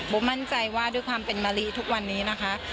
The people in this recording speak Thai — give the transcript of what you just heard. มั่นใจว่าด้วยความเป็นมะลิทุกวันนี้นะคะ